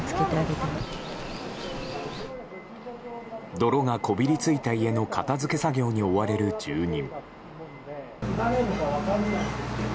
泥がこびりついた家の片づけ作業に追われる住人。